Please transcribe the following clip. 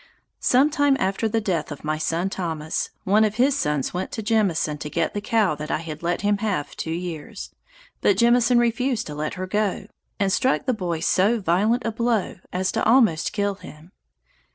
Sometime after the death of my son Thomas, one of his sons went to Jemison to get the cow that I had let him have two years; but Jemison refused to let her go, and struck the boy so violent a blow as to almost kill him.